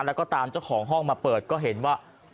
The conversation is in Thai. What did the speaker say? แล้วก็ตามเจ้าของห้องมาเปิดก็เห็นว่า